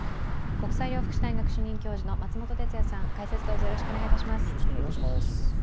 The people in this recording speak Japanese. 国際医療福祉大学主任教授の松本哲哉さん解説、どうぞよろしくお願いいたします。